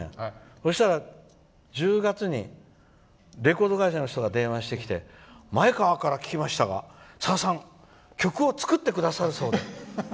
そうしたら、１０月にレコード会社の人が電話してきて前川から聞きましたがさださん曲を作ってくださるそうで。